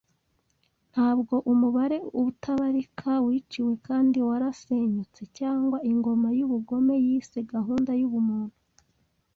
Ntabwo umubare utabarika wiciwe kandi warasenyutse , cyangwa ingoma yubugome yise gahunda yubumuntu,